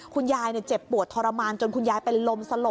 คุณยายเจ็บปวดทรมานจนคุณยายเป็นลมสลบเลยนะคุณผู้ชม